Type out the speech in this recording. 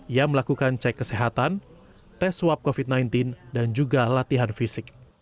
ia melakukan cek kesehatan tes swab covid sembilan belas dan juga latihan fisik